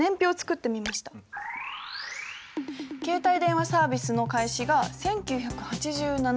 携帯電話サービスの開始が１９８７年。